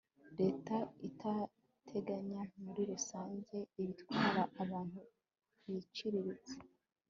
leta igateganya muri rusange ibitwara abantu biciriritse